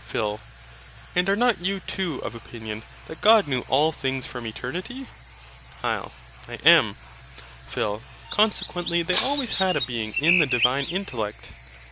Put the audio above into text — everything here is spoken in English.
PHIL. And are not you too of opinion, that God knew all things from eternity? HYL. I am. PHIL. Consequently they always had a being in the Divine intellect.